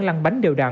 lăn bánh đều đặn